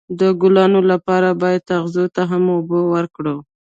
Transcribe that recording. د ګلانو لپاره باید اغزو ته هم اوبه ورکړو.